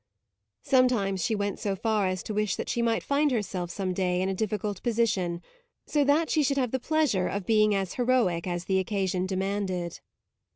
Sometimes she went so far as to wish that she might find herself some day in a difficult position, so that she should have the pleasure of being as heroic as the occasion demanded.